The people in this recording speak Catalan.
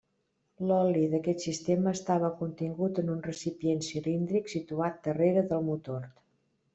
L'oli d'aquest sistema estava contingut en un recipient cilíndric situat darrere del motor.